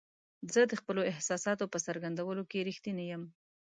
زه د خپلو احساساتو په څرګندولو کې رښتینی یم.